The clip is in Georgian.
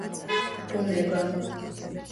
ბუნება